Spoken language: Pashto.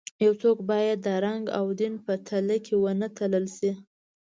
یو څوک باید د رنګ او دین په تلې کې ونه تلل شي.